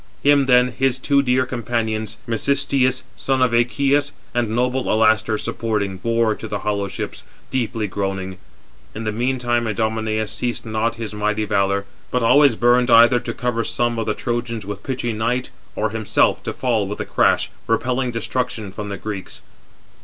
Him then his two dear companions, Mecisteus, son of Echius, and noble Alastor, supporting, bore to the hollow ships, deeply groaning. In the meantime Idomeneus ceased not his mighty valour; but always burned either to cover some of the Trojans with pitchy night, 429 or himself to fall with a crash, repelling destruction from the Greeks.